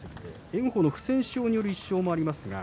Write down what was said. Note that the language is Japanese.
炎鵬の不戦勝により１勝もあります。